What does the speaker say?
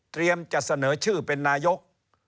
จะเสนอชื่อเป็นนายก